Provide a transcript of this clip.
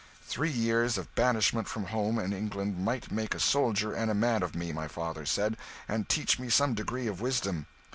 "Three years of banishment from home and England might make a soldier and a man of me, my father said, and teach me some degree of wisdom.